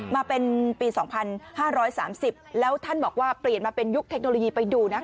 มาเป็นปี๒๕๓๐แล้วท่านบอกว่าเปลี่ยนมาเป็นยุคเทคโนโลยีไปดูนะ